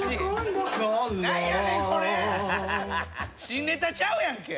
新ネタちゃうやんけ。